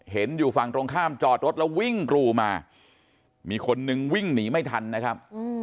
เห็นอยู่ฝั่งตรงข้ามจอดรถแล้ววิ่งกรูมามีคนนึงวิ่งหนีไม่ทันนะครับ